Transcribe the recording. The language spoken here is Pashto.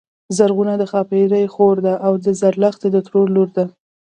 زرغونه د ښاپيرې خور ده او د زرلښتی د ترور لور ده